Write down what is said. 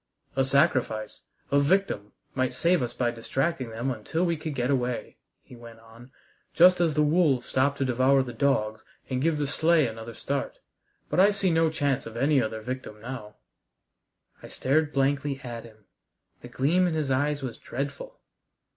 "A sacrifice, a victim, might save us by distracting them until we could get away," he went on, "just as the wolves stop to devour the dogs and give the sleigh another start. But I see no chance of any other victim now." I stared blankly at him. The gleam in his eyes was dreadful.